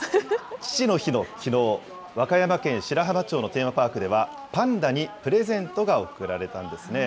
父の日のきのう、和歌山県白浜町のテーマパークでは、パンダにプレゼントが贈られたんですね。